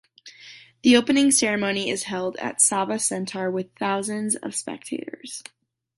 The opening ceremony is held at Sava Centar with thousands of spectators.